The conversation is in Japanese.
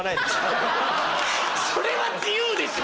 それは自由でしょ？